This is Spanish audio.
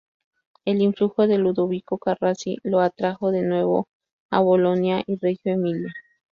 El influjo de Ludovico Carracci lo atrajo de nuevo a Bolonia y Reggio Emilia.